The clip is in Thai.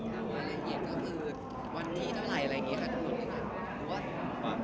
รายเย็นก็คือวันนี้เท่าไหร่อะไรงี้ครับทุกคนสำนวนหรือครับ